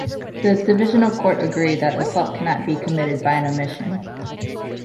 The Divisional Court agreed that assault cannot be committed by an omission.